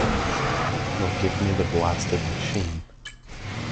Well, give me the blasted machine.